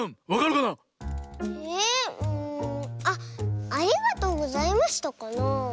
あっ「ありがとうございました」かなあ。